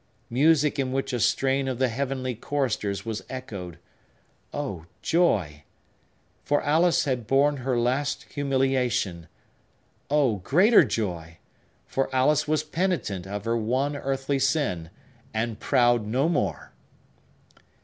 Music in which a strain of the heavenly choristers was echoed! Oh; joy! For Alice had borne her last humiliation! Oh, greater joy! For Alice was penitent of her one earthly sin, and proud no more!